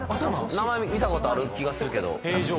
名前見たことある気がするけど平城苑